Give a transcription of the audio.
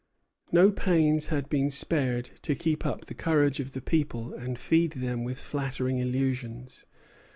No pains had been spared to keep up the courage of the people and feed them with flattering illusions.